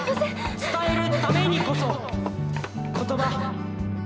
伝えるためにこそ言葉。